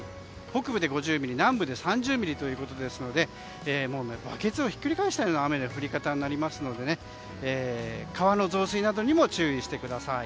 北部で５０ミリ南部で３０ミリということですのでバケツをひっくり返したような雨の降り方になりますので川の増水などにも注意してください。